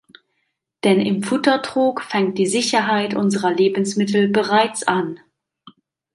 Denn im Futtertrog fängt die Sicherheit unserer Lebensmittel bereits an.